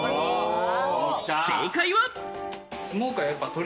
正解は。